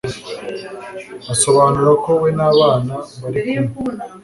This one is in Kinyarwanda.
Asobanura ko we n'abana bari kumwe